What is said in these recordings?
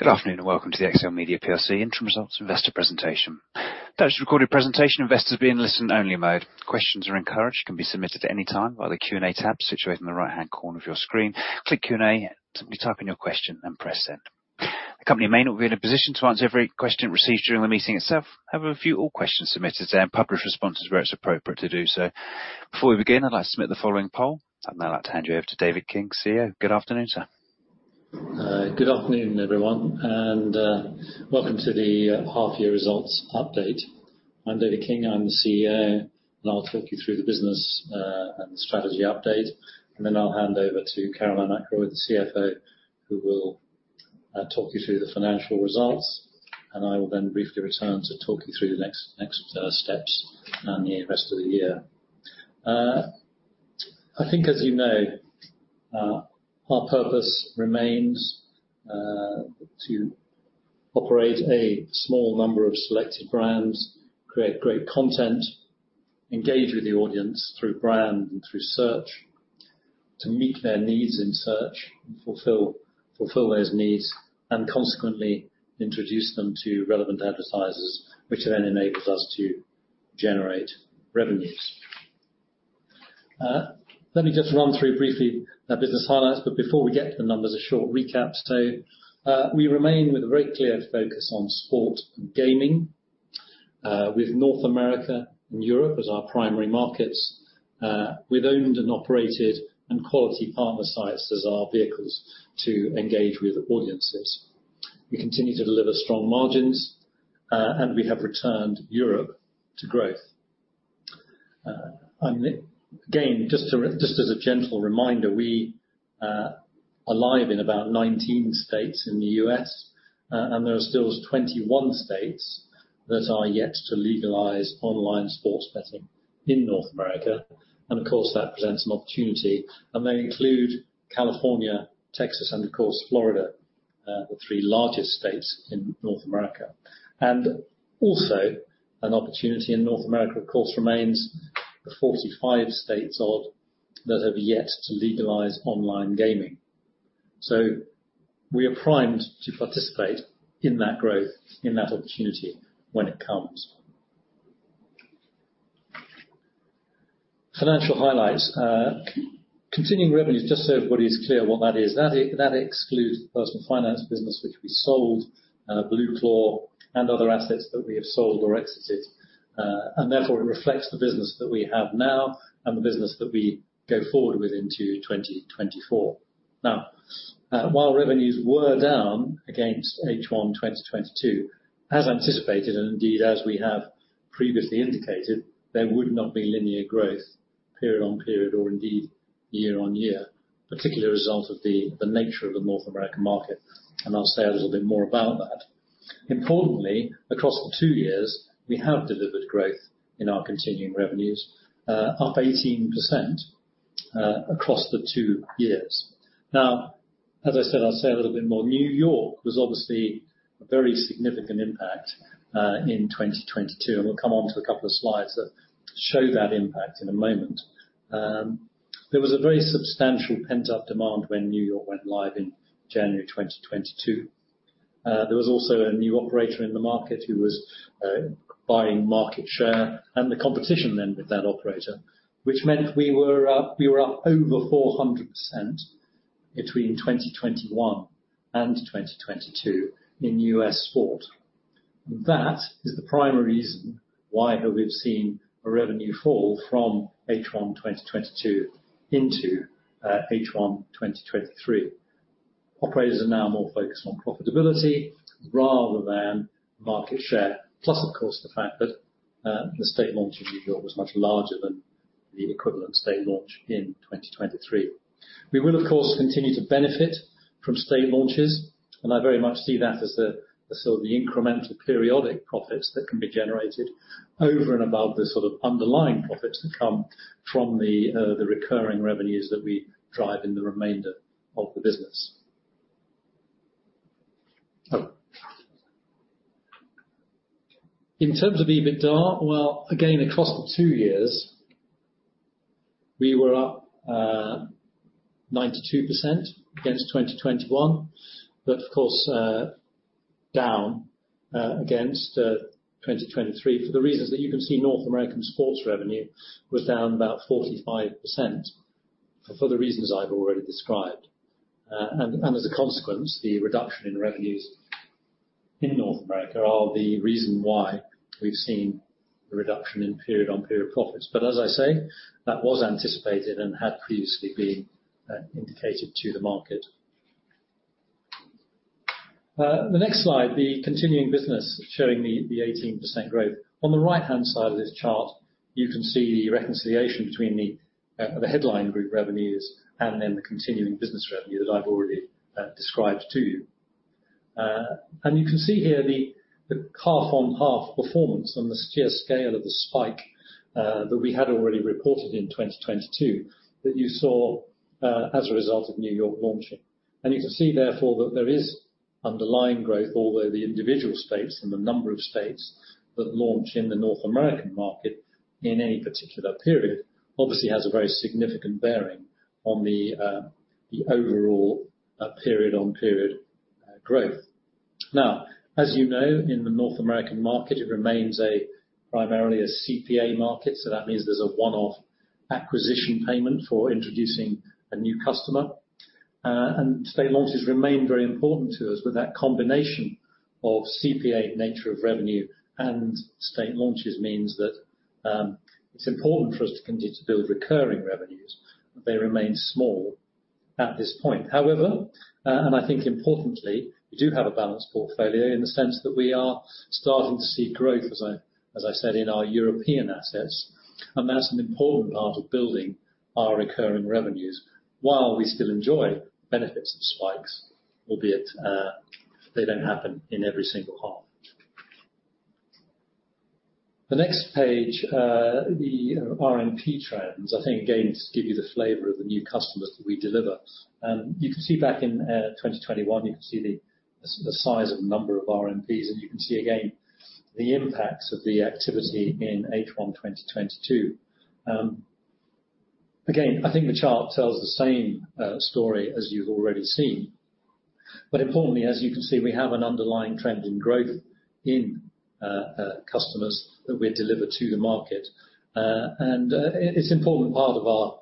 Good afternoon, and welcome to the XLMedia PLC interim results investor presentation. This is a recorded presentation, investors will be in listen-only mode. Questions are encouraged, can be submitted at any time via the Q&A tab situated in the right-hand corner of your screen. Click Q&A, simply type in your question, and press Send. The company may not be in a position to answer every question received during the meeting itself, however, we'll review all questions submitted today and publish responses where it's appropriate to do so. Before we begin, I'd like to submit the following poll. Now I'd like to hand you over to David King, CEO. Good afternoon, sir. Good afternoon, everyone, and welcome to the half year results update. I'm David King, I'm the CEO, and I'll talk you through the business and the strategy update, and then I'll hand over to Caroline Ackroyd, the CFO, who will talk you through the financial results, and I will then briefly return to talk you through the next steps and the rest of the year. I think, as you know, our purpose remains to operate a small number of selected brands, create great content, engage with the audience through brand and through search, to meet their needs in search, and fulfill those needs, and consequently introduce them to relevant advertisers, which then enables us to generate revenues. Let me just run through briefly the business highlights, but before we get to the numbers, a short recap. So, we remain with a very clear focus on Sport and Gaming, with North America and Europe as our primary markets, with owned and operated and quality partner sites as our vehicles to engage with audiences. We continue to deliver strong margins, and we have returned Europe to growth. And again, just as a gentle reminder, we are live in about 19 states in the U.S., and there are still 21 states that are yet to legalize online sports betting in North America, and of course, that presents an opportunity, and they include California, Texas, and of course, Florida, the three largest states in North America. Also, an opportunity in North America, of course, remains the 45 states odd that have yet to legalize online gaming. So we are primed to participate in that growth, in that opportunity when it comes. Financial highlights, continuing revenues, just so everybody is clear what that is, that excludes the Personal Finance business, which we sold, BlueClaw and other assets that we have sold or exited, and therefore it reflects the business that we have now and the business that we go forward with into 2024. Now, while revenues were down against H1 2022, as anticipated, and indeed, as we have previously indicated, there would not be linear growth period on period or indeed, year on year, particularly a result of the nature of the North American market, and I'll say a little bit more about that. Importantly, across the two years, we have delivered growth in our continuing revenues, up 18%, across the two years. Now, as I said, I'll say a little bit more. New York was obviously a very significant impact in 2022, and we'll come on to a couple of slides that show that impact in a moment. There was a very substantial pent-up demand when New York went live in January 2022. There was also a new operator in the market who was buying market share and the competition then with that operator, which meant we were up, we were up over 400% between 2021 and 2022 in U.S. sport. That is the primary reason why we've seen a revenue fall from H1 2022 into H1 2023. Operators are now more focused on profitability rather than market share. Plus, of course, the fact that the state launch in New York was much larger than the equivalent state launch in 2023. We will, of course, continue to benefit from state launches, and I very much see that as the sort of the incremental periodic profits that can be generated over and above the sort of underlying profits that come from the recurring revenues that we drive in the remainder of the business. In terms of EBITDA, well, again, across the two years, we were up 92% against 2021, but of course, down against 2023 for the reasons that you can see. North American Sports revenue was down about 45%, for the reasons I've already described. And as a consequence, the reduction in revenues in North America are the reason why we've seen a reduction in period-on-period profits. But as I say, that was anticipated and had previously been indicated to the market. The next slide, the continuing business showing the 18% growth. On the right-hand side of this chart, you can see the reconciliation between the headline group revenues and then the continuing business revenue that I've already described to you. And you can see here the half-on-half performance on the sheer scale of the spike that we had already reported in 2022, that you saw as a result of New York launching. And you can see, therefore, that there is-... underlying growth, although the individual states and the number of states that launch in the North American market in any particular period obviously has a very significant bearing on the overall period-on-period growth. Now, as you know, in the North American market, it remains primarily a CPA market, so that means there's a one-off acquisition payment for introducing a new customer. And state launches remain very important to us, but that combination of CPA nature of revenue and state launches means that it's important for us to continue to build recurring revenues. They remain small at this point. However, and I think importantly, we do have a balanced portfolio in the sense that we are starting to see growth, as I, as I said, in our European assets, and that's an important part of building our recurring revenues, while we still enjoy benefits of spikes, albeit, they don't happen in every single half. The next page, the RMP trends, I think, again, to give you the flavor of the new customers that we deliver. And you can see back in, 2021, you can see the size of number of RMPs, and you can see again, the impacts of the activity in H1 2022. Again, I think the chart tells the same story as you've already seen. But importantly, as you can see, we have an underlying trend in growth in, customers that we deliver to the market. It's important part of our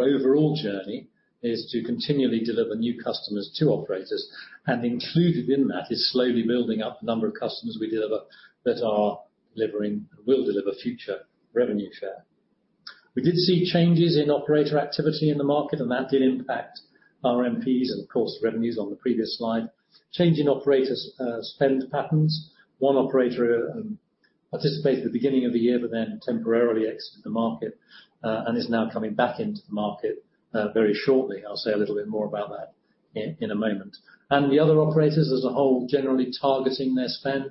overall journey is to continually deliver new customers to operators, and included in that is slowly building up the number of customers we deliver that are delivering and will deliver future revenue share. We did see changes in operator activity in the market, and that did impact RMPs and, of course, revenues on the previous slide. Change in operators spend patterns. One operator participated at the beginning of the year, but then temporarily exited the market and is now coming back into the market very shortly. I'll say a little bit more about that in a moment. The other operators, as a whole, generally targeting their spend.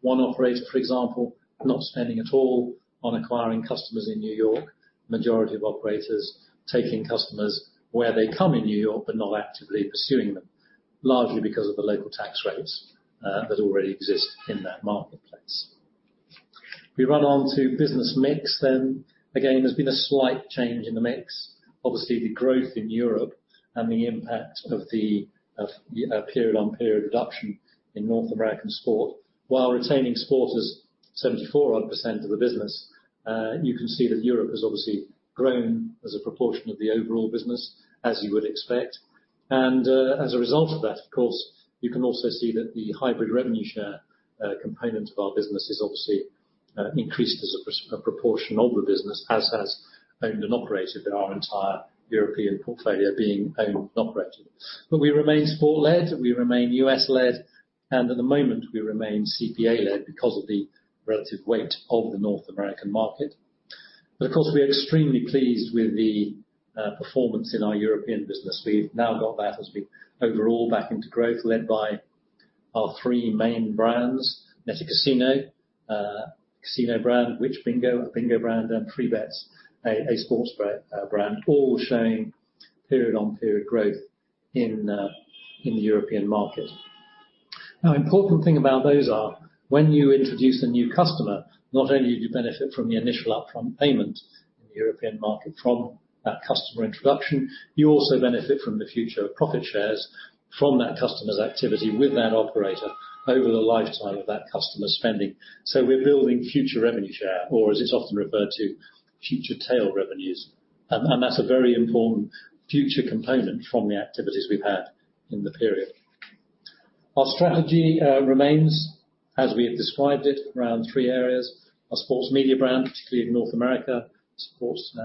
One operator, for example, not spending at all on acquiring customers in New York. Majority of operators taking customers where they come in New York, but not actively pursuing them, largely because of the local tax rates that already exist in that marketplace. We run on to business mix, then. Again, there's been a slight change in the mix. Obviously, the growth in Europe and the impact of the period-on-period reduction in North American sport, while retaining sport as 74-odd% of the business. You can see that Europe has obviously grown as a proportion of the overall business, as you would expect. And, as a result of that, of course, you can also see that the hybrid revenue share component of our business is obviously increased as a proportion of the business, as has owned and operated in our entire European portfolio being owned and operated. But we remain sport-led, we remain U.S.-led, and at the moment, we remain CPA-led because of the relative weight of the North American market. But of course, we are extremely pleased with the performance in our European business. We've now got that as we overall back into growth, led by our three main brands, Nettikasinot, a casino brand, WhichBingo, a bingo brand, and Freebets, a sports brand, all showing period-on-period growth in the European market. Now, important thing about those are, when you introduce a new customer, not only do you benefit from the initial upfront payment in the European market from that customer introduction, you also benefit from the future profit shares from that customer's activity with that operator over the lifetime of that customer spending. So we're building future revenue share, or as it's often referred to, future tail revenues. That's a very important future component from the activities we've had in the period. Our strategy remains, as we have described it, around three areas: our sports media brand, particularly in North America, sports,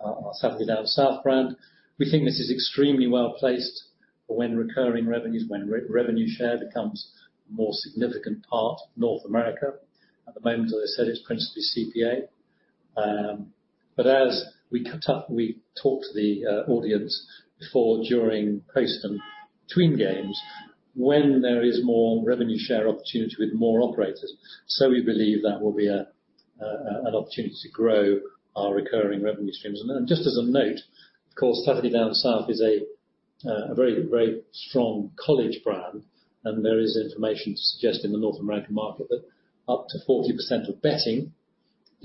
our Saturday Down South brand. We think this is extremely well-placed for when recurring revenues, when revenue share becomes a more significant part of North America. At the moment, as I said, it's principally CPA. But as we cut up, we talk to the audience before, during, post, and between games, when there is more revenue share opportunity with more operators. We believe that will be an opportunity to grow our recurring revenue streams. And then, just as a note, of course, Saturday Down South is a very, very strong college brand, and there is information to suggest in the North American market that up to 40% of betting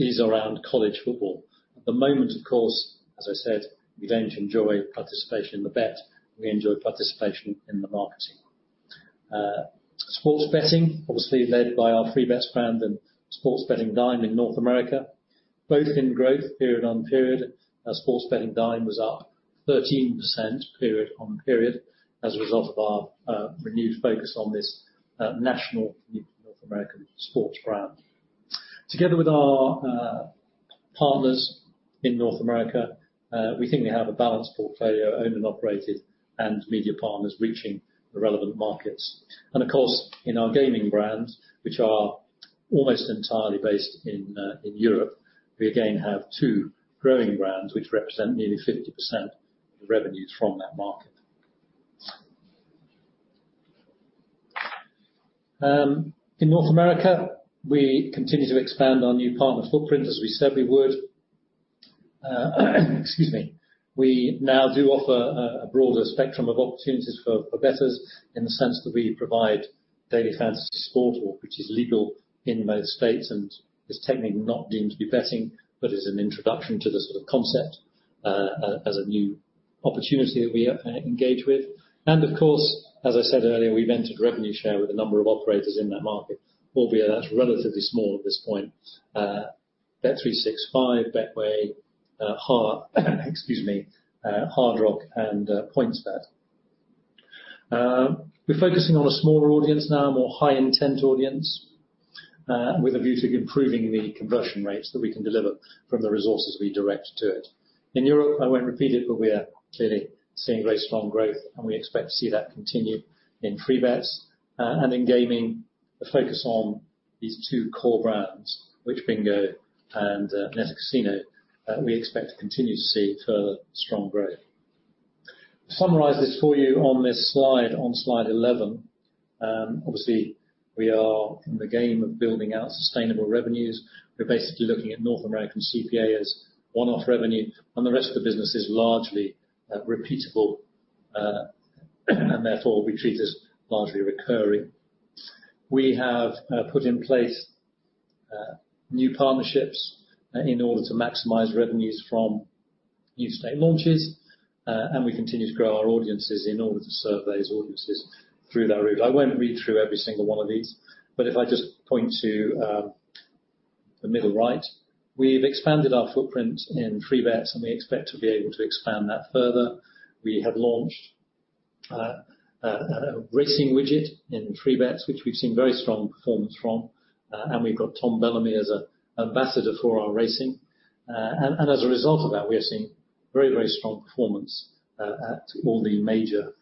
is around college football. At the moment, of course, as I said, we then enjoy participation in the bet, we enjoy participation in the marketing. Sports betting, obviously led by our Freebets brand and Sports Betting Dime in North America, both in growth period-on-period, as Sports Betting Dime was up 13%, period-on-period, as a result of our renewed focus on this national North American Sports brand. Together with our partners in North America, we think we have a balanced portfolio, owned and operated, and media partners reaching the relevant markets. Of course, in our gaming brands, which are almost entirely based in, in Europe, we again have two growing brands, which represent nearly 50% of the revenues from that market. In North America, we continue to expand our new partner footprint, as we said we would. Excuse me. We now do offer a, a broader spectrum of opportunities for, for bettors, in the sense that we provide daily fantasy sport, which is legal in most states, and is technically not deemed to be betting, but is an introduction to the sort of concept, as, as a new opportunity that we, engage with. And of course, as I said earlier, we've entered revenue share with a number of operators in that market, albeit that's relatively small at this point. bet365, Betway, excuse me, Hard Rock, and, PointsBet. We're focusing on a smaller audience now, a more high-intent audience, with a view to improving the conversion rates that we can deliver from the resources we direct to it. In Europe, I won't repeat it, but we are clearly seeing very strong growth, and we expect to see that continue in Freebets, and iGaming, the focus on these two core brands, WhichBingo and, Nettikasinot, we expect to continue to see further strong growth. To summarize this for you on this slide, on slide 11, obviously, we are in the game of building out sustainable revenues. We're basically looking at North American CPA as one-off revenue, and the rest of the business is largely, repeatable, and therefore we treat it as largely recurring. We have put in place new partnerships in order to maximize revenues from new state launches, and we continue to grow our audiences in order to serve those audiences through that route. I won't read through every single one of these, but if I just point to the middle right, we've expanded our footprint in Freebets, and we expect to be able to expand that further. We have launched a racing widget in Freebets, which we've seen very strong performance from, and we've got Tom Bellamy as an ambassador for our racing. And as a result of that, we are seeing very, very strong performance at all the major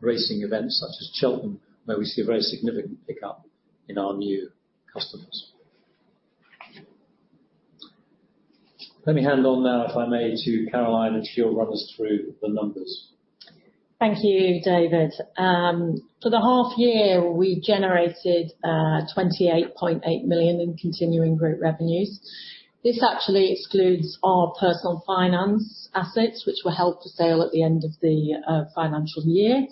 racing events, such as Cheltenham, where we see a very significant pickup in our new customers. Let me hand over now, if I may, to Caroline, and she'll run us through the numbers. Thank you, David. For the half year, we generated 28.8 million in continuing group revenues. This actually excludes our Personal Finance assets, which were held for sale at the end of the financial year,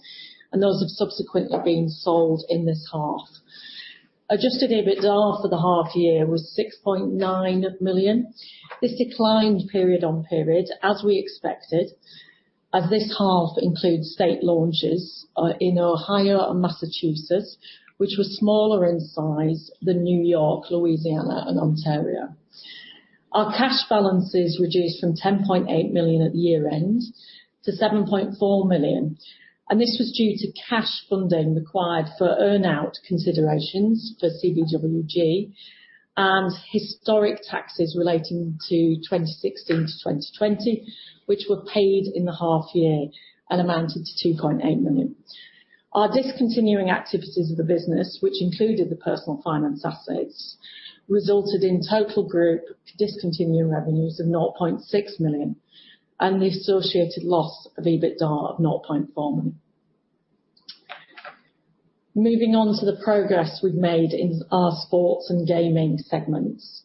and those have subsequently been sold in this half. Adjusted EBITDA for the half year was 6.9 million. This declined period-on-period, as we expected, as this half includes state launches in Ohio and Massachusetts, which were smaller in size than New York, Louisiana, and Ontario. Our cash balances reduced from 10.8 million at the year-end to 7.4 million, and this was due to cash funding required for earn-out considerations for CBWG and historic taxes relating to 2016-2020, which were paid in the half year and amounted to 2.8 million. Our discontinuing activities of the business, which included the Personal Finance assets, resulted in total group discontinuing revenues of 0.6 million and the associated loss of EBITDA of 0.4 million. Moving on to the progress we've made in our Sports and Gaming segments.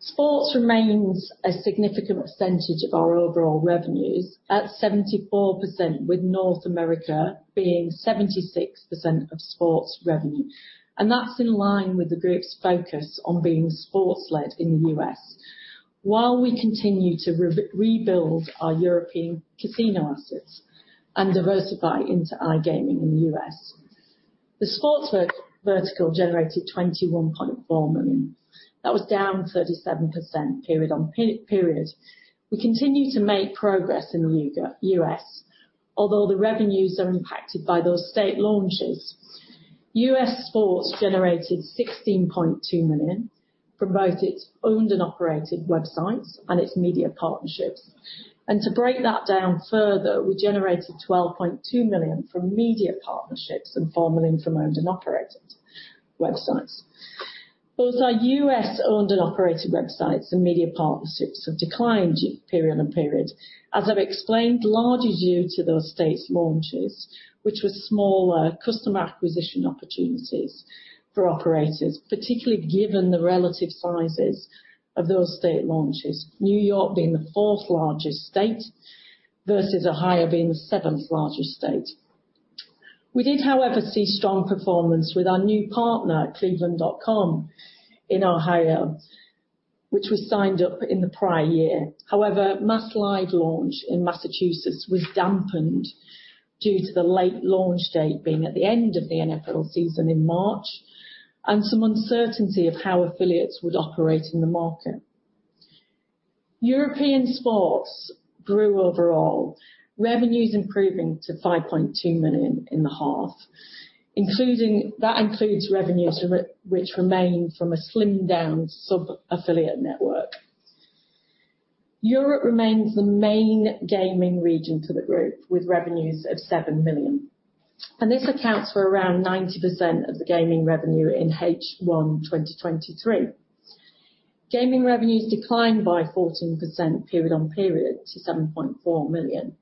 Sports remains a significant percentage of our overall revenues, at 74%, with North America being 76% of Sports revenue, and that's in line with the group's focus on being sports-led in the U.S. While we continue to rebuild our European casino assets and diversify into iGaming in the U.S., the Sports vertical generated 21.4 million. That was down 37% period on period. We continue to make progress in the U.S., although the revenues are impacted by those state launches. U.S. Sports generated $16.2 million from both its owned and operated websites and its media partnerships. To break that down further, we generated $12.2 million from media partnerships and $4 million from owned and operated websites. Both our U.S. owned and operated websites and media partnerships have declined period-on-period, as I've explained, largely due to those states' launches, which were smaller customer acquisition opportunities for operators, particularly given the relative sizes of those state launches, New York being the fourth largest state versus Ohio being the seventh largest state. We did, however, see strong performance with our new partner, cleveland.com, in Ohio, which was signed up in the prior year. However, MassLive launch in Massachusetts was dampened due to the late launch date being at the end of the NFL season in March, and some uncertainty of how affiliates would operate in the market. European Sports grew overall, revenues improving to 5.2 million in the half, including. That includes revenues from it, which remain from a slimmed-down sub-affiliate network. Europe remains the main gaming region for the group, with revenues of 7 million, and this accounts for around 90% of the Gaming revenue in H1 2023. Gaming revenues declined by 14% period on period to 7.4 million,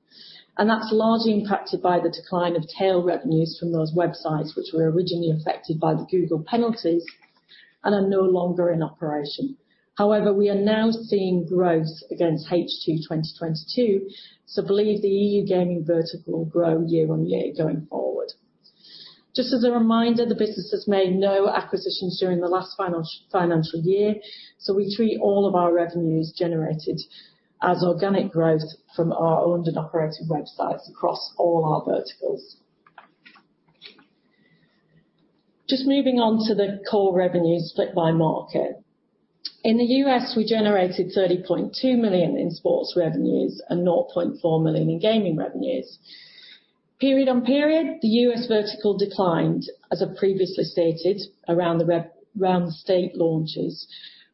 and that's largely impacted by the decline of tail revenues from those websites, which were originally affected by the Google penalties and are no longer in operation. However, we are now seeing growth against H2 2022, so believe the E.U. Gaming vertical will grow year-on-year going forward. Just as a reminder, the business has made no acquisitions during the last financial year, so we treat all of our revenues generated as organic growth from our owned and operated websites across all our verticals. Just moving on to the core revenues split by market. In the U.S., we generated $30.2 million in Sports revenues and $0.4 million in Gaming revenues. Period-on-period, the U.S. vertical declined, as I previously stated, around the state launches,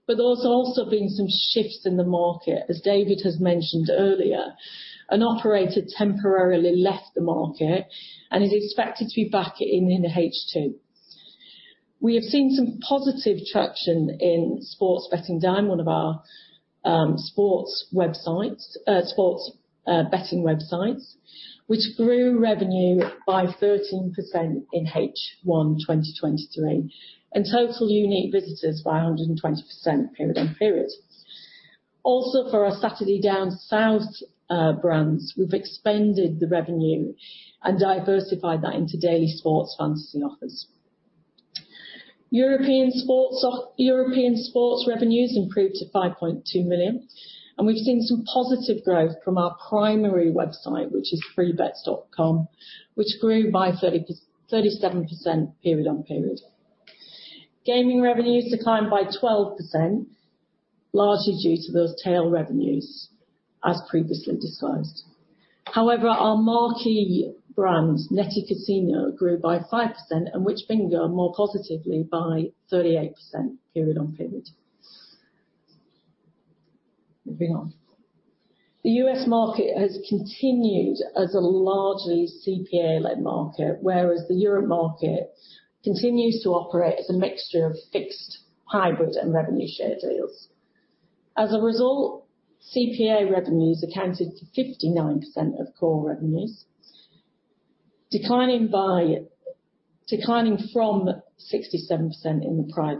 but there's also been some shifts in the market. As David has mentioned earlier, an operator temporarily left the market and is expected to be back in the H2. We have seen some positive traction in Sports Betting Dime, one of our sports websites, sports betting websites, which grew revenue by 13% in H1 2023, and total unique visitors by 120% period on period. Also, for our Saturday Down South brands, we've expanded the revenue and diversified that into daily sports fantasy offers. European Sports revenues improved to 5.2 million, and we've seen some positive growth from our primary website, which is freebets.com, which grew by 37% period on period. Gaming revenues declined by 12%, largely due to those tail revenues as previously discussed. However, our marquee brand, Nettikasinot, grew by 5% and WhichBingo more positively by 38% period on period. Moving on. The U.S. market has continued as a largely CPA-led market, whereas the Europe market continues to operate as a mixture of fixed, hybrid, and revenue share deals. As a result, CPA revenues accounted for 59% of core revenues, declining from 67% in the prior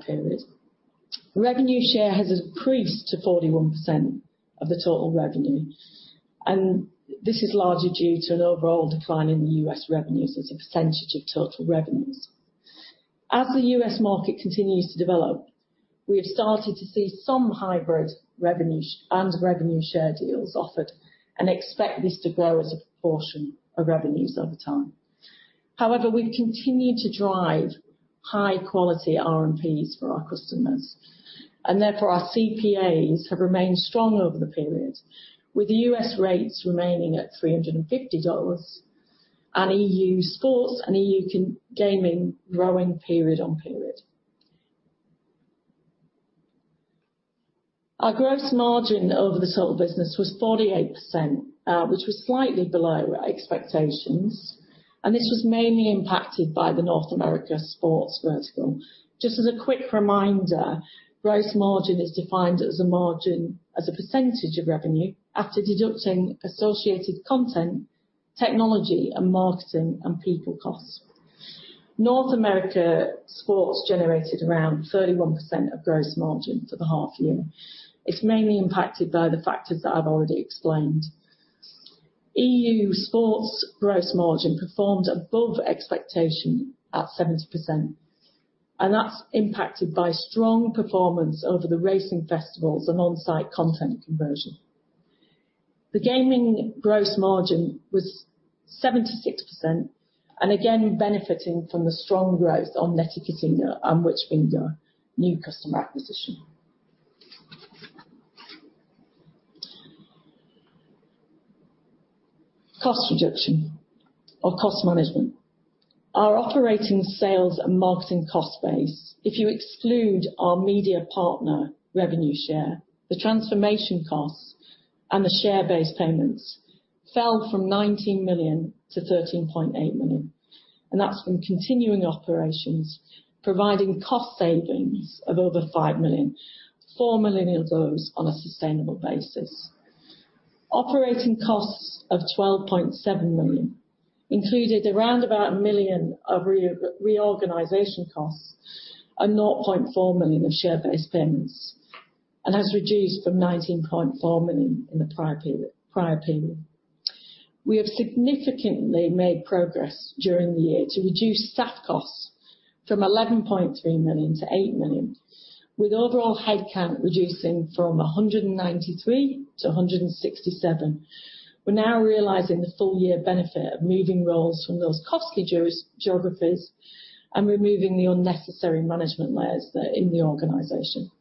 period. Revenue share has increased to 41% of the total revenue, and this is largely due to an overall decline in the U.S. revenues as a percentage of total revenues. As the U.S. market continues to develop, we have started to see some hybrid revenues and revenue share deals offered and expect this to grow as a proportion of revenues over time. However, we continue to drive high-quality RMPs for our customers, and therefore our CPAs have remained strong over the period, with U.S. rates remaining at $350, and E.U. Sports and E.U. casino gaming growing period-on-period. Our gross margin over the total business was 48%, which was slightly below our expectations, and this was mainly impacted by the North America Sports vertical. Just as a quick reminder, gross margin is defined as a margin, as a percentage of revenue after deducting associated content, technology, and marketing and people costs. North America Sports generated around 31% of gross margin for the half year. It's mainly impacted by the factors that I've already explained. E.U. Sports gross margin performed above expectation at 70%, and that's impacted by strong performance over the racing festivals and on-site content conversion. The gaming gross margin was 76%, and again, benefiting from the strong growth on Nettikasinot and WhichBingo new customer acquisition. Cost reduction or cost management. Our operating sales and marketing cost base, if you exclude our media partner revenue share, the transformation costs and the share-based payments fell from 19 million-13.8 million, and that's from continuing operations, providing cost savings of over 5 million, 4 million of those on a sustainable basis. Operating costs of 12.7 million included around about 1 million of reorganization costs and 0.4 million of share-based payments and has reduced from 19.4 million in the prior period, prior period. We have significantly made progress during the year to reduce staff costs from 11.3 million-8 million, with overall headcount reducing from 193-167. We're now realizing the full year benefit of moving roles from those costly jurisdictions and removing the unnecessary management layers that are in the organization.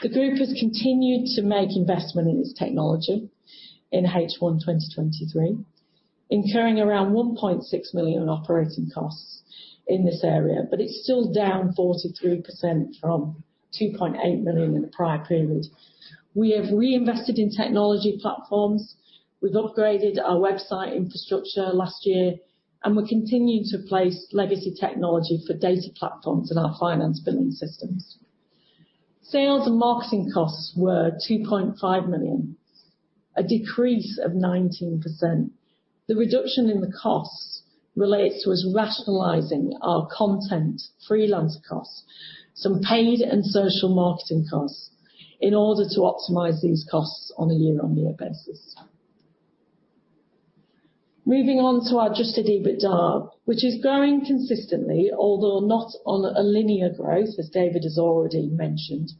The group has continued to make investment in its technology in H1 2023, incurring around 1.6 million in operating costs in this area, but it's still down 43% from 2.8 million in the prior period. We have reinvested in technology platforms. We've upgraded our website infrastructure last year, and we're continuing to replace legacy technology for data platforms in our finance billing systems. Sales and marketing costs were 2.5 million, a decrease of 19%. The reduction in the costs relates to us rationalizing our content freelance costs, some paid and social marketing costs, in order to optimize these costs on a year-on-year basis. Moving on to our adjusted EBITDA, which is growing consistently, although not on a linear growth, as David has already mentioned.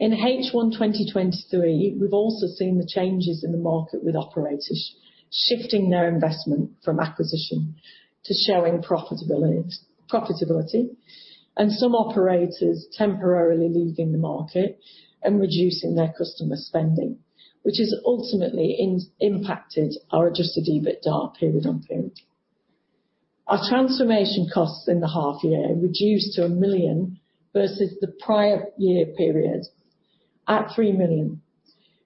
In H1 2023, we've also seen the changes in the market with operators shifting their investment from acquisition to showing profitability, profitability, and some operators temporarily leaving the market and reducing their customer spending, which has ultimately impacted our adjusted EBITDA period-on-period. Our transformation costs in the half year reduced to 1 million versus the prior year period at 3 million.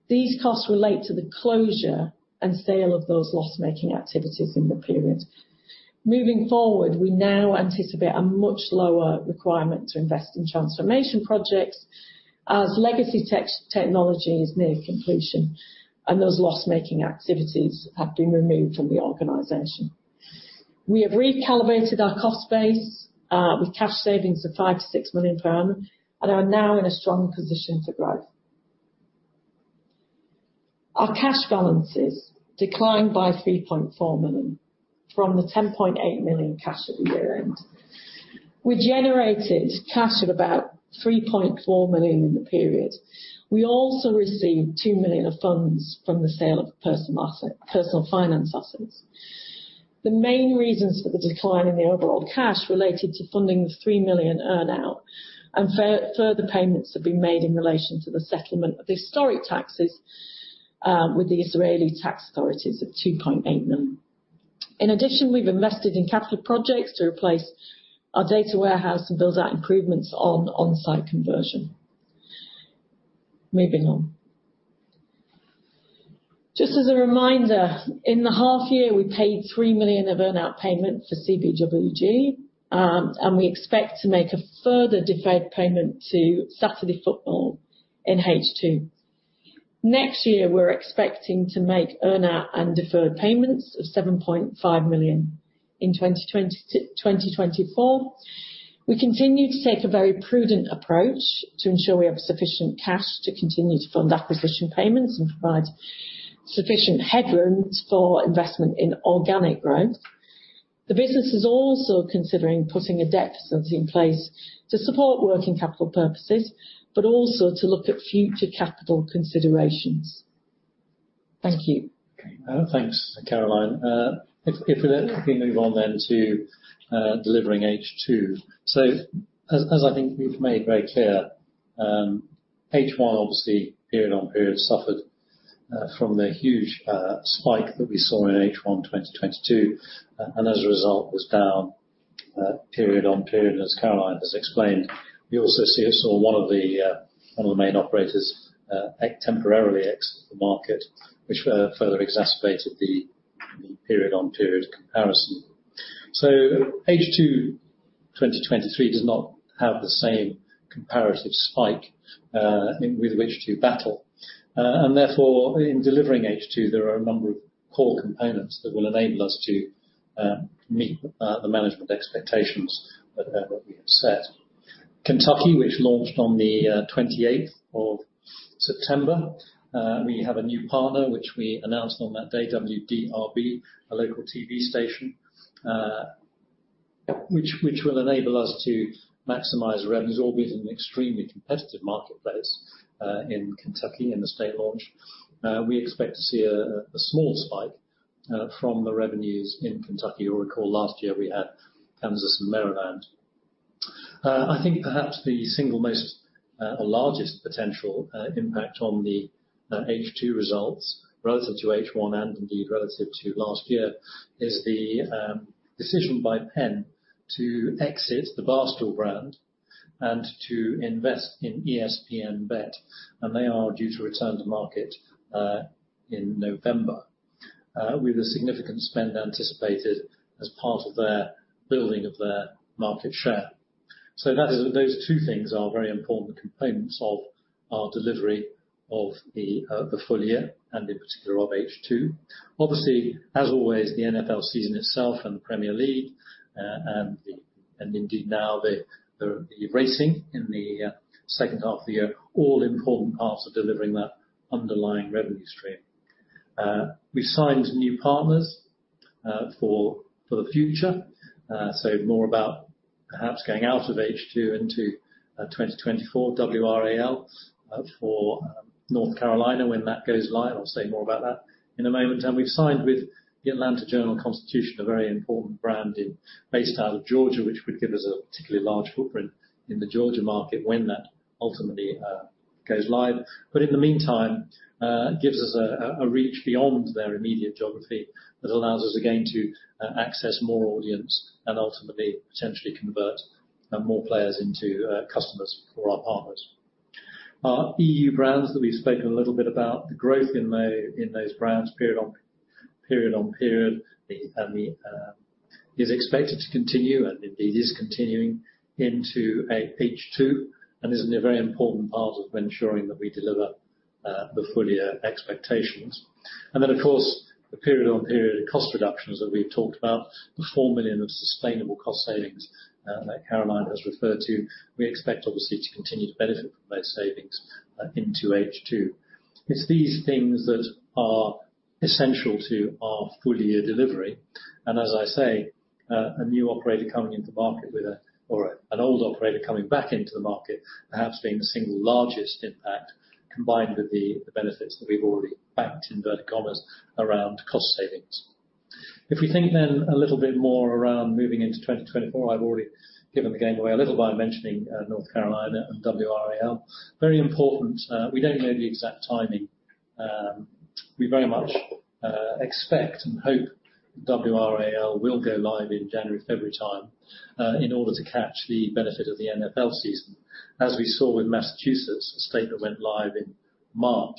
These costs relate to the closure and sale of those loss-making activities in the period. Moving forward, we now anticipate a much lower requirement to invest in transformation projects as legacy technology is near completion, and those loss-making activities have been removed from the organization. We have recalibrated our cost base with cash savings of 5-6 million and are now in a strong position for growth. Our cash balances declined by 3.4 million from the 10.8 million cash at the year-end. We generated cash of about 3.4 million in the period. We also received 2 million of funds from the sale of Personal Finance assets. The main reasons for the decline in the overall cash related to funding the 3 million earn-out and further payments have been made in relation to the settlement of the historic taxes with the Israeli tax authorities of 2.8 million. In addition, we've invested in capital projects to replace our data warehouse and build out improvements on onsite conversion. Moving on. Just as a reminder, in the half year, we paid 3 million of earn-out payments for CBWG, and we expect to make a further deferred payment to Saturday Football in H2. Next year, we're expecting to make earn-out and deferred payments of 7.5 million in 2024. We continue to take a very prudent approach to ensure we have sufficient cash to continue to fund acquisition payments and provide sufficient headroom for investment in organic growth. The business is also considering putting a debt facility in place to support working capital purposes, but also to look at future capital considerations. Thank you. Okay. Thanks, Caroline. If we then move on to delivering H2. So as I think we've made very clear, H1, obviously, period-on-period, suffered from the huge spike that we saw in H1 2022, and as a result, was down period-on-period, as Caroline has explained. We also saw one of the main operators temporarily exit the market, which further exacerbated the period-on-period comparison. So H2 2023 does not have the same comparative spike with which to battle. And therefore, in delivering H2, there are a number of core components that will enable us to meet the management expectations that we have set. Kentucky, which launched on the twenty-eighth of September, we have a new partner, which we announced on that day, WDRB, a local TV station, which will enable us to maximize revenues, albeit in an extremely competitive marketplace, in Kentucky, in the state launch. We expect to see a small spike from the revenues in Kentucky. You'll recall last year we had Kansas and Maryland. I think perhaps the single most largest potential impact on the H2 results, relative to H1, and indeed relative to last year, is the decision by PENN to exit the Barstool brand and to invest in ESPN BET, and they are due to return to market in November with a significant spend anticipated as part of their building of their market share. So that is those two things are very important components of our delivery of the full year and in particular of H2. Obviously, as always, the NFL season itself and the Premier League, and indeed now the racing in the second half of the year, all important parts of delivering that underlying revenue stream. We've signed new partners for the future. So more about perhaps getting out of H2 into 2024, WRAL for North Carolina, when that goes live. I'll say more about that in a moment. We've signed with the Atlanta Journal Constitution, a very important brand in, based out of Georgia, which would give us a particularly large footprint in the Georgia market when that ultimately goes live, but in the meantime, gives us a reach beyond their immediate geography that allows us, again, to access more audience and ultimately potentially convert more players into customers for our partners. Our E.U. brands that we spoke a little bit about, the growth in those brands period on period, and is expected to continue, and it is continuing into H2, and is a very important part of ensuring that we deliver the full year expectations. And then, of course, the period-on-period cost reductions that we've talked about, the 4 million of sustainable cost savings that Caroline has referred to, we expect, obviously, to continue to benefit from those savings into H2. It's these things that are essential to our full year delivery, and as I say, a new operator coming into the market with a or an old operator coming back into the market, perhaps being the single largest impact, combined with the benefits that we've already backed, in inverted commas, around cost savings. If we think then a little bit more around moving into 2024, I've already given the game away a little by mentioning North Carolina and WRAL. Very important, we don't know the exact timing. We very much expect and hope WRAL will go live in January, February time, in order to catch the benefit of the NFL season. As we saw with Massachusetts, a state that went live in March,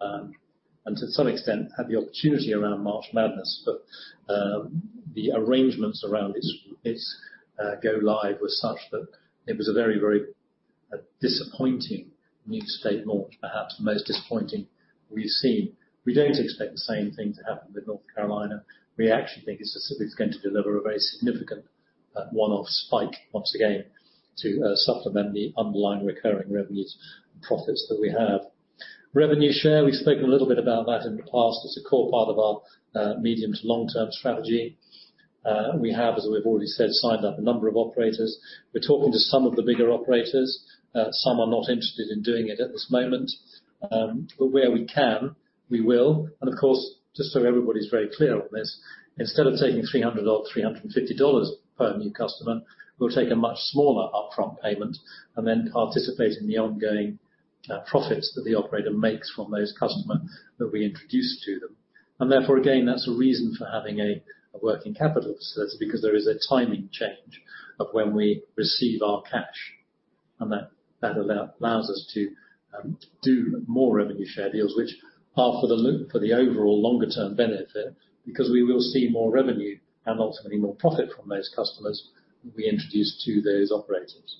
and to some extent had the opportunity around March Madness, but the arrangements around its go live were such that it was a very, very disappointing new state launch, perhaps the most disappointing we've seen. We don't expect the same thing to happen with North Carolina. We actually think it's just that it's going to deliver a very significant one-off spike, once again, to supplement the underlying recurring revenues and profits that we have. Revenue share, we've spoken a little bit about that in the past. It's a core part of our medium to long-term strategy. We have, as we've already said, signed up a number of operators. We're talking to some of the bigger operators. Some are not interested in doing it at this moment. But where we can, we will. And of course, just so everybody's very clear on this, instead of taking $300 or $350 per new customer, we'll take a much smaller upfront payment and then participate in the ongoing profits that the operator makes from those customers that we introduce to them. Therefore, again, that's a reason for having a working capital surplus, because there is a timing change of when we receive our cash, and that allows us to do more revenue share deals, which are for the loop, for the overall longer term benefit, because we will see more revenue and ultimately more profit from those customers we introduce to those operators.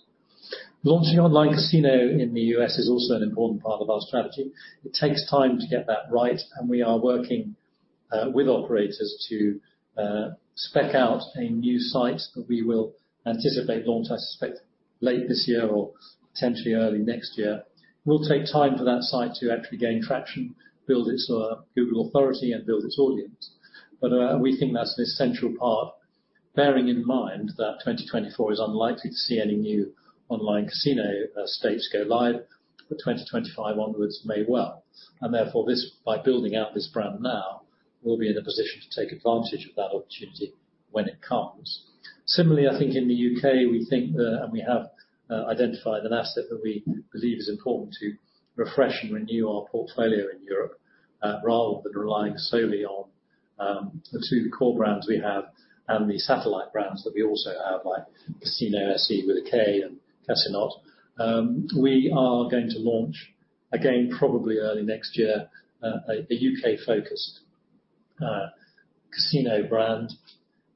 Launching online casino in the U.S. is also an important part of our strategy. It takes time to get that right, and we are working with operators to spec out a new site that we will anticipate launch, I suspect, late this year or potentially early next year. Will take time for that site to actually gain traction, build its Google authority and build its audience. But, we think that's an essential part, bearing in mind that 2024 is unlikely to see any new online casino, states go live, but 2025 onwards may well. And therefore, this—by building out this brand now, we'll be in a position to take advantage of that opportunity when it comes. Similarly, I think in the U.K., we think, and we have, identified an asset that we believe is important to refresh and renew our portfolio in Europe, rather than relying solely on, the two core brands we have and the satellite brands that we also have, like Kasino.se with a K and Kasinot. We are going to launch, again, probably early next year, a, a U.K.-focused, casino brand.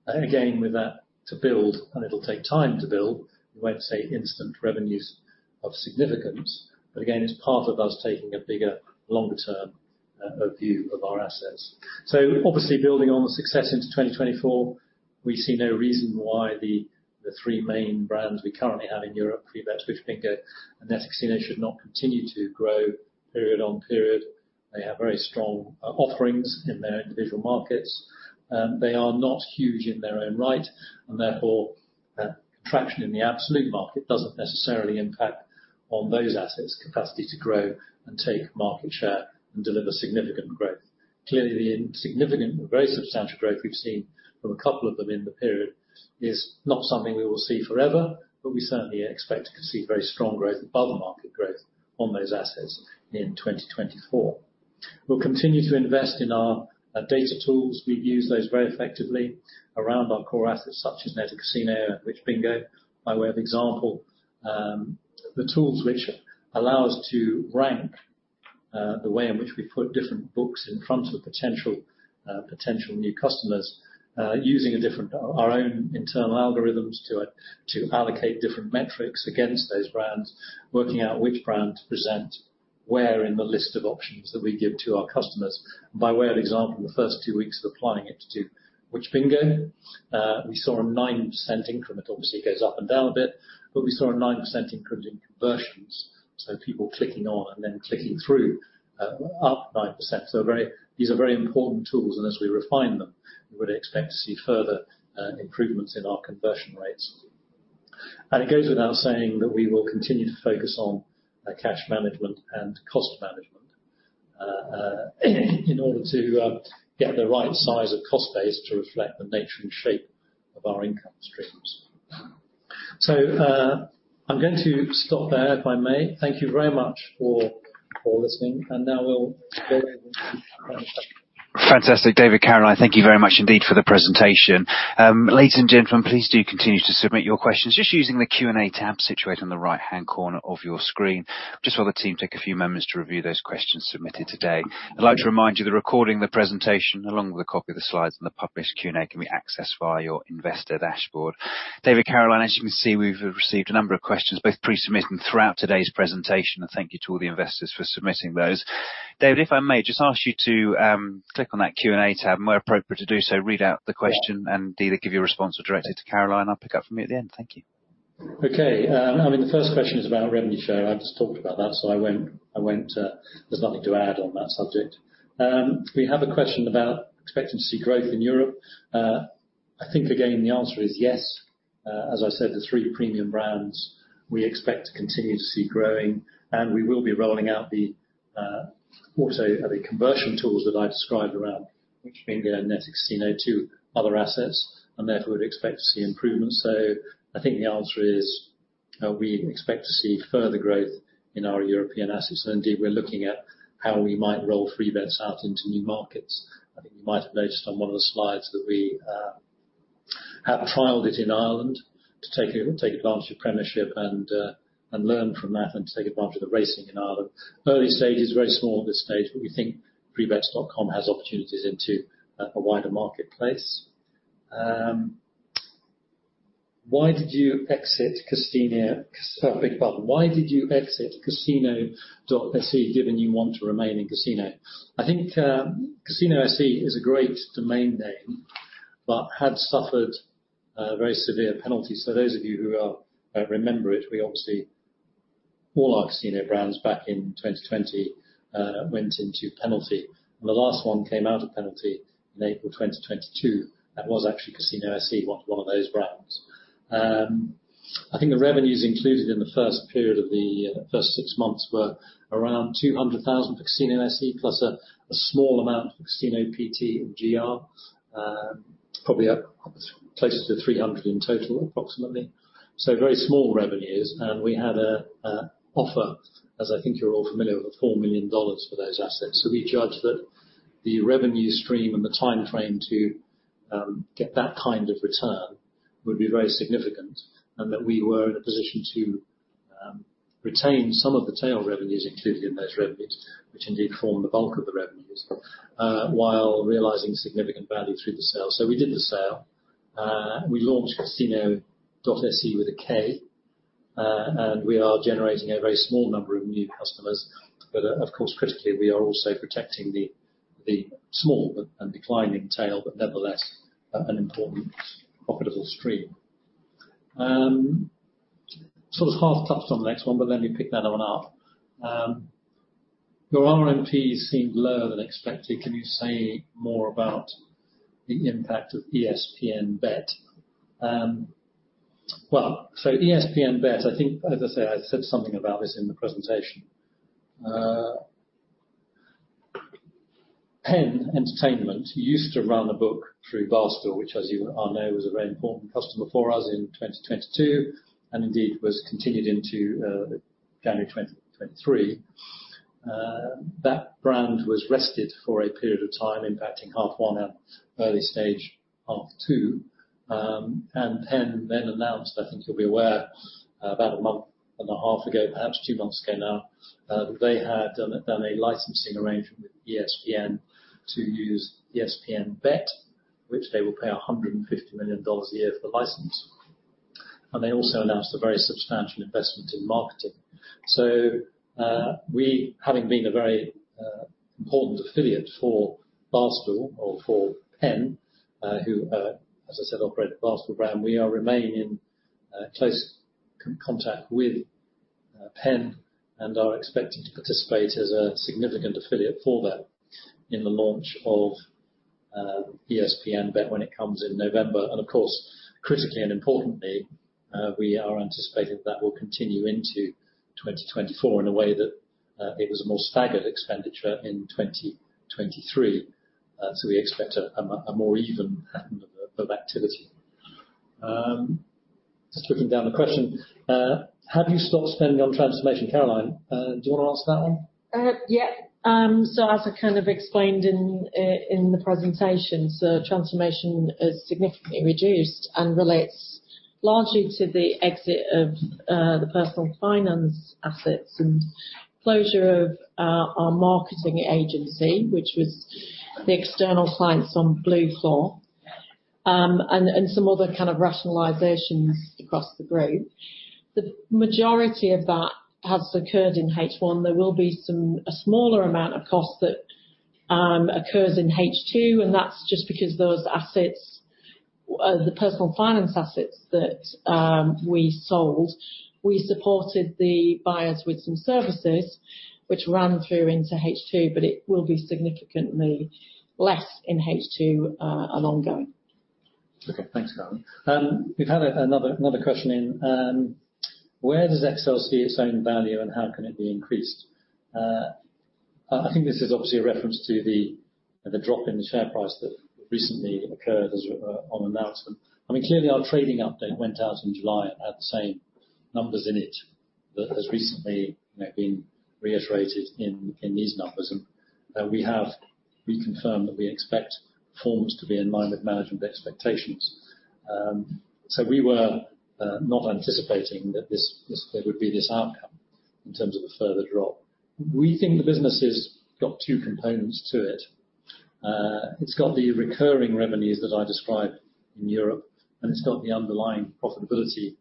And again, with that to build, and it'll take time to build, we won't say instant revenues of significance, but again, it's part of us taking a bigger, longer term view of our assets. So obviously, building on the success into 2024, we see no reason why the three main brands we currently have in Europe, Freebets.com, WhichBingo, and Nettikasinot, should not continue to grow period on period. They have very strong offerings in their individual markets. They are not huge in their own right, and therefore, contraction in the absolute market doesn't necessarily impact on those assets' capacity to grow and take market share and deliver significant growth. Clearly, the significant and very substantial growth we've seen from a couple of them in the period is not something we will see forever, but we certainly expect to see very strong growth above the market growth on those assets in 2024. We'll continue to invest in our data tools. We use those very effectively around our core assets, such as Nettikasinot, WhichBingo, by way of example. The tools which allow us to rank the way in which we put different books in front of potential new customers using our own internal algorithms to allocate different metrics against those brands, working out which brand to present, where in the list of options that we give to our customers. By way of example, the first two weeks of applying it to WhichBingo, we saw a 9% increment. Obviously, it goes up and down a bit, but we saw a 9% increment in conversions. So people clicking on and then clicking through, up 9%. So these are very important tools, and as we refine them, we would expect to see further improvements in our conversion rates. And it goes without saying that we will continue to focus on cash management and cost management in order to get the right size of cost base to reflect the nature and shape of our income streams. So, I'm going to stop there, if I may. Thank you very much for listening, and now we'll go ahead. Fantastic. David, Caroline, thank you very much indeed for the presentation. Ladies and gentlemen, please do continue to submit your questions, just using the Q&A tab situated on the right-hand corner of your screen. Just while the team take a few moments to review those questions submitted today, I'd like to remind you the recording of the presentation, along with a copy of the slides and the published Q&A, can be accessed via your investor dashboard. David, Caroline, as you can see, we've received a number of questions, both pre-submitted and throughout today's presentation, and thank you to all the investors for submitting those. David, if I may just ask you to click on that Q&A tab, and where appropriate to do so, read out the question and either give your response or direct it to Caroline, and I'll pick up from you at the end. Thank you. Okay. I mean, the first question is about revenue share. I've just talked about that, so I won't. There's nothing to add on that subject. We have a question about expecting to see growth in Europe. I think, again, the answer is yes. As I said, the three premium brands, we expect to continue to see growing, and we will be rolling out the, also the conversion tools that I described around, which bring the Nettikasinot to other assets, and therefore would expect to see improvements. So I think the answer is, we expect to see further growth in our European assets, and indeed, we're looking at how we might roll Freebets out into new markets. I think you might have noticed on one of the slides that we have trialed it in Ireland to take advantage of Premier League and learn from that, and take advantage of the racing in Ireland. Early stages, very small at this stage, but we think Freebets.com has opportunities into a wider marketplace. Why did you exit casino— I beg your pardon. Why did you exit Casino.se, given you want to remain in Casino? I think Casino.se is a great domain name, but had suffered a very severe penalty. So those of you who remember it, we obviously all our Casino brands, back in 2020, went into penalty, and the last one came out of penalty in April 2022. That was actually Casino.se, one of those brands. I think the revenues included in the first period of the first six months were around $200,000 for Casino.se, plus a small amount for Casino.pt and Casino.gr. Probably up closer to $300,000 in total, approximately. So very small revenues, and we had a offer, as I think you're all familiar, of $4 million for those assets. So we judged that the revenue stream and the timeframe to get that kind of return would be very significant, and that we were in a position to retain some of the tail revenues included in those revenues, which indeed formed the bulk of the revenues, while realizing significant value through the sale. So we did the sale. We launched Kasino.se, and we are generating a very small number of new customers. But, of course, critically, we are also protecting the small but and declining tail, but nevertheless, an important profitable stream. So it's half touched on the next one, but let me pick that one up. Your RMPs seemed lower than expected. Can you say more about the impact of ESPN BET? Well, so ESPN BET, I think, as I say, I said something about this in the presentation. PENN Entertainment used to run a book through Barstool, which, as you all know, was a very important customer for us in 2022, and indeed, was continued into January 2023. That brand was rested for a period of time, impacting half one and early stage half two. And PENN then announced, I think you'll be aware, about a month and a half ago, perhaps two months ago now, that they had done a licensing arrangement with ESPN to use ESPN BET, which they will pay $150 million a year for the license. And they also announced a very substantial investment in marketing. So, we, having been a very important affiliate for Barstool or for PENN, who, as I said, operate the Barstool brand, we are remaining in close contact with PENN, and are expected to participate as a significant affiliate for them in the launch of ESPN BET when it comes in November. And of course, critically and importantly, we are anticipating that will continue into 2024 in a way that, it was a more staggered expenditure in 2023. So we expect a more even pattern of activity. Just looking down the question. Have you stopped spending on transformation? Caroline, do you want to answer that one? Yeah. So as I kind of explained in the presentation, so transformation is significantly reduced and relates largely to the exit of the Personal Finance assets and closure of our marketing agency, which was the external clients on BlueClaw, and some other kind of rationalizations across the group. The majority of that has occurred in H1. There will be some... A smaller amount of costs that occurs in H2, and that's just because those assets, the Personal Finance assets that we sold, we supported the buyers with some services which ran through into H2, but it will be significantly less in H2, and ongoing. Okay. Thanks, Caroline. We've had another question in: Where does XL see its own value, and how can it be increased? I think this is obviously a reference to the drop in the share price that recently occurred as a on announcement. I mean, clearly, our trading update went out in July at the same numbers in it that has recently, you know, been reiterated in these numbers, and we have reconfirmed that we expect performance to be in line with management expectations. So we were not anticipating that this there would be this outcome in terms of a further drop. We think the business has got two components to it. It's got the recurring revenues that I described in Europe, and it's got the underlying profitability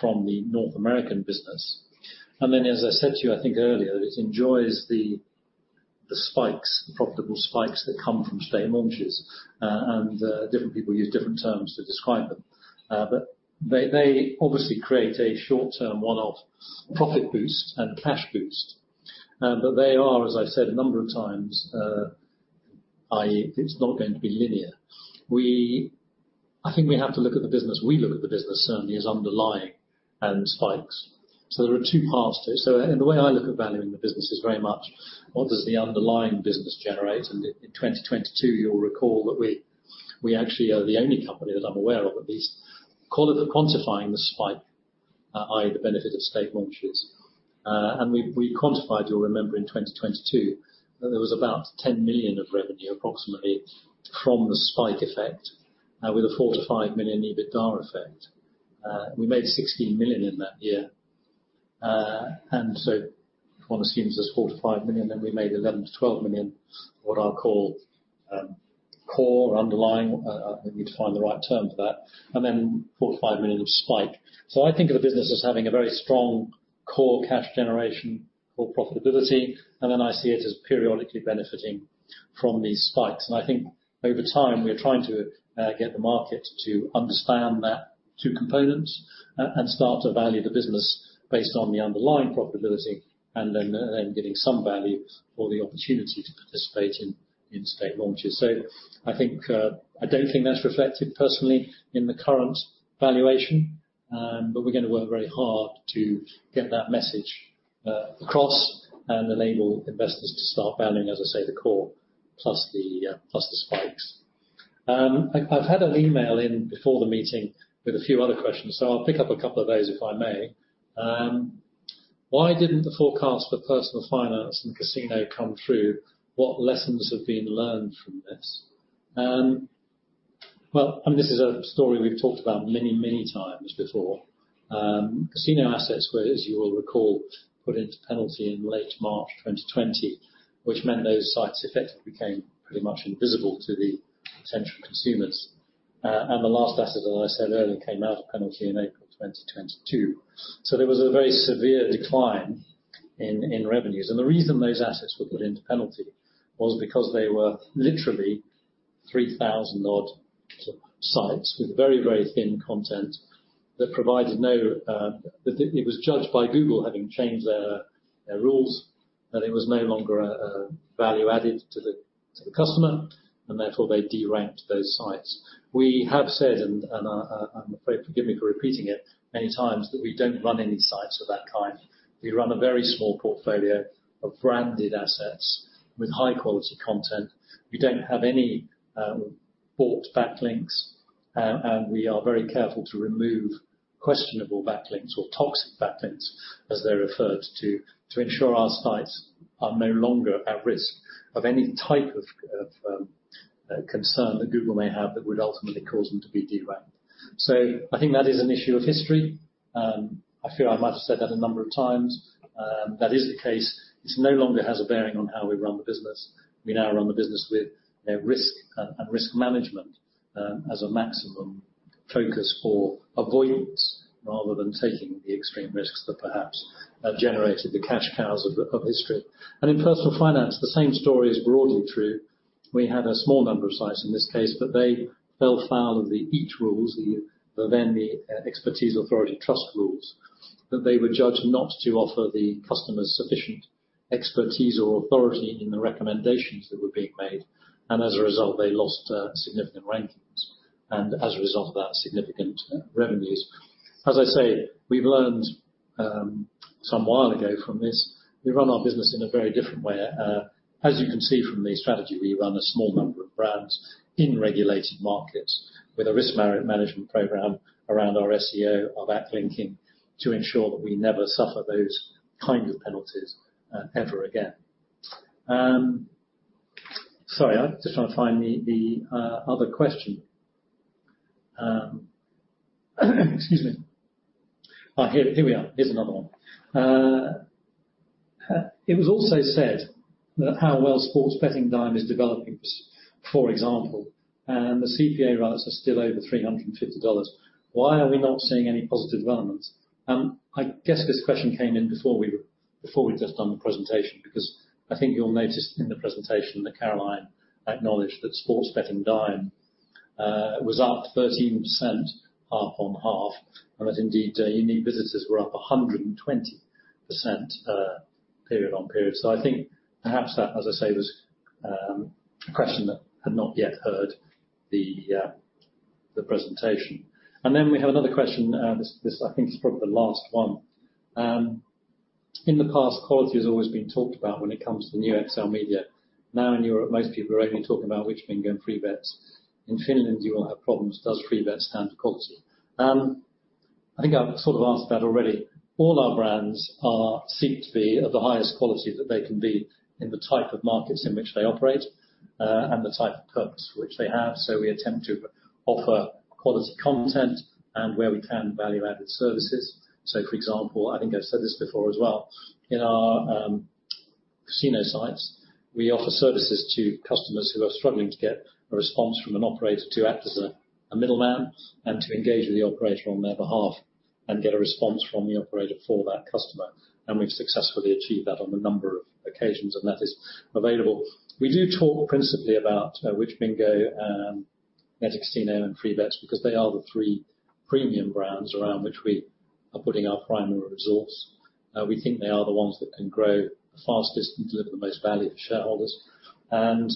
from the North American business. Then, as I said to you, I think earlier, it enjoys the spikes, the profitable spikes that come from state launches. Different people use different terms to describe them. But they obviously create a short-term, one-off profit boost and cash boost. But they are, as I said, a number of times, i.e., it's not going to be linear. I think we have to look at the business. We look at the business, certainly, as underlying and spikes. So there are two parts to it. So, and the way I look at valuing the business is very much what does the underlying business generate? And in 2022, you'll recall that we actually are the only company that I'm aware of, at least, call it quantifying the spike, i.e., the benefit of state launches. We quantified, you'll remember, in 2022, that there was about 10 million of revenue, approximately, from the spike effect, with a 4 million-5 million EBITDA effect. We made 16 million in that year. And so one assumes there's 4 million-5 million, then we made 11 million-12 million, what I'll call, core underlying, let me find the right term for that, and then 4 million-5 million of spike. So I think of the business as having a very strong core cash generation, core profitability, and then I see it as periodically benefiting from these spikes. I think over time, we're trying to get the market to understand that two components and start to value the business based on the underlying profitability, and then, then getting some value for the opportunity to participate in state launches. So I think, I don't think that's reflected personally in the current valuation, but we're gonna work very hard to get that message across, and enable investors to start valuing, as I say, the core, plus the plus the spikes. I've had an email in before the meeting with a few other questions, so I'll pick up a couple of those, if I may. Why didn't the forecast for Personal Finance and casino come through? What lessons have been learned from this? Well, this is a story we've talked about many, many times before. Casino assets were, as you will recall, put into penalty in late March 2020, which meant those sites effectively became pretty much invisible to the potential consumers. And the last asset, as I said earlier, came out of penalty in April 2022. So there was a very severe decline in revenues. And the reason those assets were put into penalty was because they were literally 3,000-odd sites with very, very thin content that provided no value. It was judged by Google, having changed their rules, that it was no longer a value added to the customer, and therefore, they deranked those sites. We have said, and I'm afraid, forgive me for repeating it many times, that we don't run any sites of that kind. We run a very small portfolio of branded assets with high-quality content. We don't have any bought backlinks, and we are very careful to remove questionable backlinks, or toxic backlinks, as they're referred to, to ensure our sites are no longer at risk of any type of concern that Google may have that would ultimately cause them to be deranked. So I think that is an issue of history. I feel I might have said that a number of times. That is the case. It no longer has a bearing on how we run the business. We now run the business with a risk and risk management, as a maximum focus for avoidance, rather than taking the extreme risks that perhaps generated the cash cows of history. And in Personal Finance, the same story is broadly true. We had a small number of sites in this case, but they fell foul of the EAT Rules, the Expertise, Authority, Trust rules. That they were judged not to offer the customers sufficient expertise or authority in the recommendations that were being made, and as a result, they lost significant rankings, and as a result of that, significant revenues. As I say, we've learned some while ago from this, we run our business in a very different way. As you can see from the strategy, we run a small number of brands in regulated markets with a risk management program around our SEO, our backlinking, to ensure that we never suffer those kind of penalties ever again. Sorry, I'm just trying to find the other question. Excuse me. Here, here we are. Here's another one. It was also said that how well Sports Betting Dime is developing, for example, and the CPA rates are still over $350. Why are we not seeing any positive development? I guess this question came in before we'd just done the presentation, because I think you'll notice in the presentation that Caroline acknowledged that Sports Betting Dime was up 13%, half on half, and that indeed unique visitors were up 120%, period on period. So I think perhaps that, as I say, was a question that had not yet heard the presentation. And then we have another question. This I think is probably the last one. In the past, quality has always been talked about when it comes to the new XLMedia. Now, in Europe, most people are only talking about WhichBingo and Freebets. In Finland, do you have problems? Does Freebets stand for quality? I think I've sort of answered that already. All our brands seek to be of the highest quality that they can be in the type of markets in which they operate, and the type of purpose which they have. So we attempt to offer quality content, and where we can, value-added services. So, for example, I think I've said this before as well, in our casino sites, we offer services to customers who are struggling to get a response from an operator to act as a middleman and to engage with the operator on their behalf and get a response from the operator for that customer, and we've successfully achieved that on a number of occasions, and that is available. We do talk principally about WhichBingo and Nettikasinot and Freebets, because they are the three premium brands around which we are putting our primary resource. We think they are the ones that can grow the fastest and deliver the most value to shareholders. And,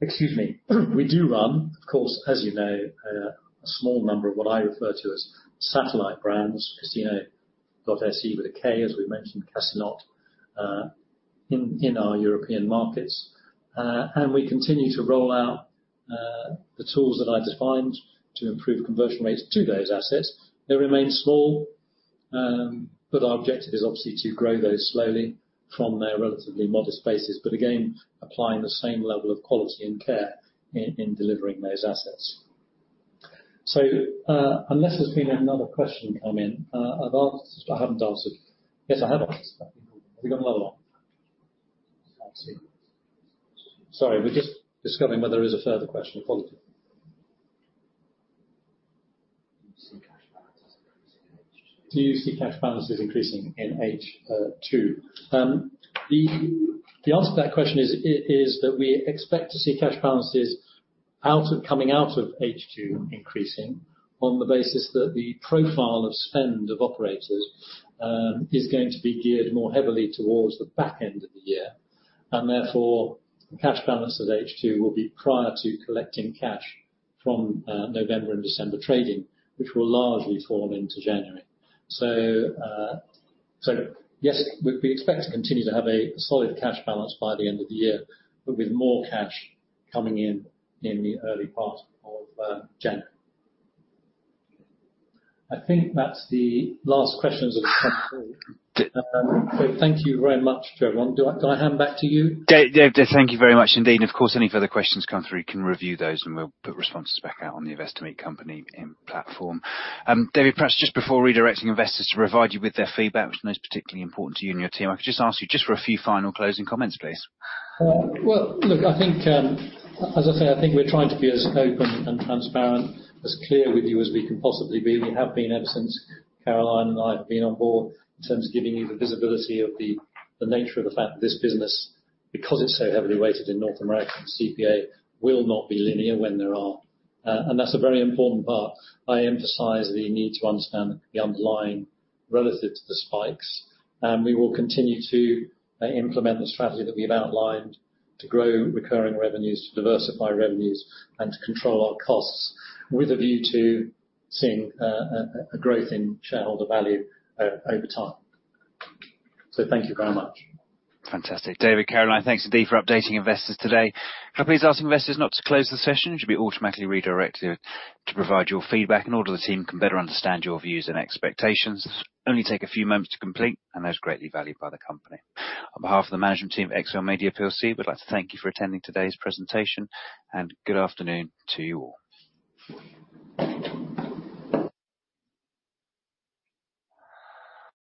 excuse me, we do run, of course, as you know, a small number of what I refer to as satellite brands, Kasino.se, with a K, as we've mentioned, has not, in our European markets. And we continue to roll out the tools that I defined to improve conversion rates to those assets. They remain small, but our objective is obviously to grow those slowly from their relatively modest bases, but again, applying the same level of quality and care in delivering those assets. So, unless there's been another question come in, I've asked, I haven't answered. Yes, I have. Have we got another one? Sorry, we're just discovering whether there is a further question or quality. Do you see cash balances increasing in H2? Do you see cash balances increasing in H2? The answer to that question is that we expect to see cash balances coming out of H2 increasing on the basis that the profile of spend of operators is going to be geared more heavily towards the back end of the year, and therefore, cash balance at H2 will be prior to collecting cash from November and December trading, which will largely fall into January. So yes, we expect to continue to have a solid cash balance by the end of the year, but with more cash coming in in the early part of January. I think that's the last questions of this conference call. So thank you very much, everyone. Do I hand back to you? David, thank you very much indeed. And of course, any further questions come through, we can review those, and we'll put responses back out on the Investor Meet Company platform. David, perhaps just before redirecting investors to provide you with their feedback, which is particularly important to you and your team, I could just ask you just for a few final closing comments, please. Well, look, I think, as I say, I think we're trying to be as open and transparent, as clear with you as we can possibly be. We have been ever since Caroline and I have been on board, in terms of giving you the visibility of the nature of the fact that this business, because it's so heavily weighted in North American CPA, will not be linear when there are, and that's a very important part. I emphasize the need to understand the underlying relative to the spikes, and we will continue to implement the strategy that we've outlined to grow recurring revenues, to diversify revenues, and to control our costs with a view to seeing a growth in shareholder value over time. So thank you very much. Fantastic. David, Caroline, thanks indeed for updating investors today. Can I please ask investors not to close the session? You should be automatically redirected to provide your feedback in order the team can better understand your views and expectations. Only take a few moments to complete, and that's greatly valued by the company. On behalf of the management team of XLMedia PLC, we'd like to thank you for attending today's presentation, and good afternoon to you all.